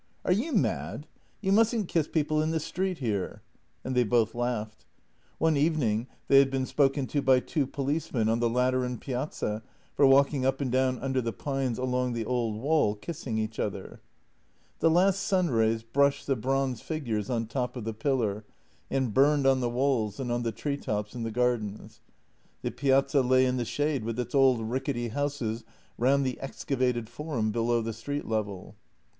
"Are you mad? You mustn't kiss people in the street here." And they both laughed. One evening they had been spoken to by two policemen on the Lateran piazza for walking up and down under the pines along the old wall kissing each other. The last sunrays brushed the bronze figures on top of the pillar and burned on the walls and on the tree tops in the gar dens. The piazza lay in the shade, with its old, rickety houses round the excavated forum below the street level.